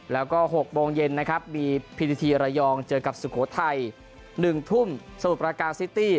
แล้วก็๖โมงเย็นนะครับมีพิธีทีระยองเจอกับสุโขทัย๑ทุ่มสมุทรประการซิตี้